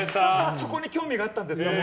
そこに興味があったんですね。